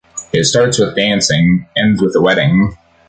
It starts with dancing, ends with a wedding.